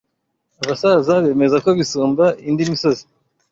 Abasaza bemeza Ko bisumba indi misozi